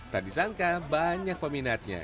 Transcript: tak disangka banyak peminatnya